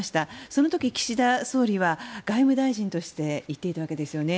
その時、岸田総理は外務大臣として行っていたわけですよね。